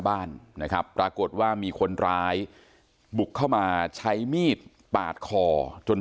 บ้านนะครับปรากฏว่ามีคนร้ายบุกเข้ามาใช้มีดปาดคอจน